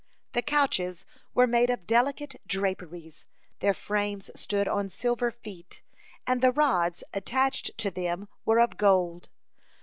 The couches were made of delicate draperies, their frames stood on silver feet, and the rods attached to them were of gold.